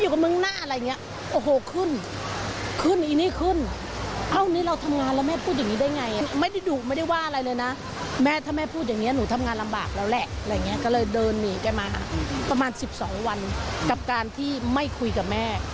คุณมีกันมาประมาณ๑๒วันกับการที่ไม่คุยกับแม่